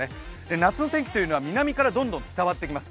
夏の天気というのは南からどんどん伝わってきます。